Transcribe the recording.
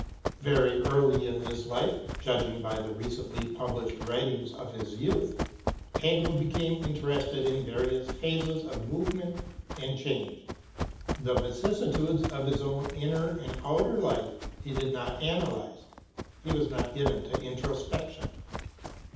Very early in his life, judging by the recently published writings of his youth, Hegel became interested in various phases of movement and change. The vicissitudes of his own inner or outer life he did not analyze. He was not given to introspection.